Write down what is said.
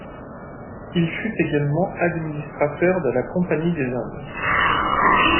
Il fut également administrateur de la Compagnie des Indes.